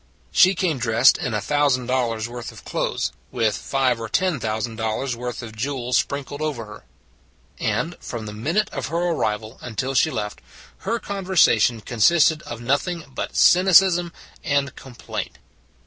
She came dressed in a thousand dollars worth of clothes, with five or ten thousand dollars worth of jewels sprinkled over her. And, from the minute of her arrival until she left, her conversation consisted of nothing but cynicism and complaint.